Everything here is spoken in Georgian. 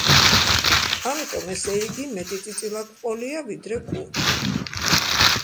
ამიტომ, ესე იგი, მეტი წიწილა გვყოლია ვიდრე კუ.